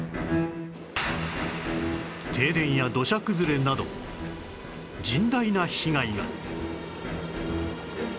停電や土砂崩れなど甚大な被害が